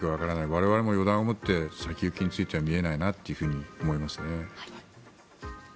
我々も予断を持って先行きについては見れないなと思いますね。